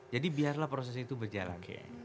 biarlah proses itu berjalan